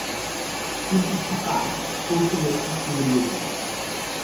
কিন্তু ফকার কৌশলে শাস্তি এড়িয়ে যান।